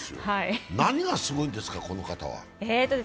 何がすごいんですか、この方は？